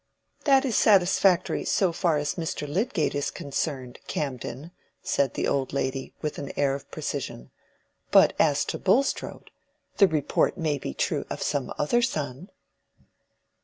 "That is satisfactory so far as Mr. Lydgate is concerned, Camden," said the old lady, with an air of precision.—"But as to Bulstrode—the report may be true of some other son."